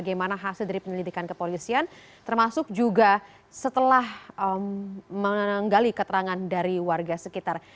bagaimana hasil dari penyelidikan kepolisian termasuk juga setelah menggali keterangan dari warga sekitar